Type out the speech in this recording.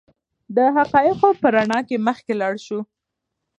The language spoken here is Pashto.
د حقایقو په رڼا کې مخکې لاړ شو.